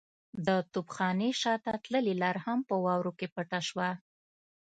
د توپخانې شاته تللې لار هم په واورو کې پټه شوه.